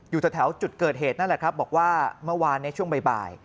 อยู่แถวจุดเกิดเหตุนั่นแหละครับบอกว่าเมื่อวานในช่วงบ่าย